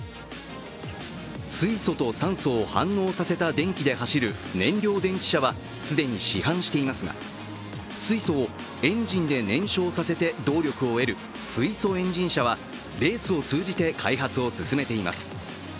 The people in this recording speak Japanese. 水素と酸素を反応させた電気で走る燃料電池車は既に市販していますが、水素をエンジンで燃焼させて動力を得る水素エンジン車はレースを通じて開発を進めています。